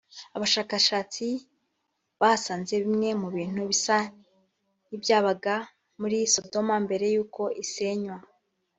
abashakashatsi bahasanze bimwe mu bintu bisa n’ibyabaga muri Sodoma mbere y’uko isenywa